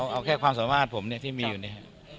เอาแค่ความสามารถผมที่มีอยู่นี่